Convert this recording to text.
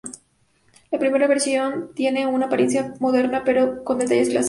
La primera versión tiene una apariencia moderna pero con detalles clásicos.